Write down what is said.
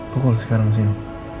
pukul sekarang sini